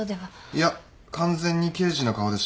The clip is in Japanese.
いや完全に刑事の顔でしたね。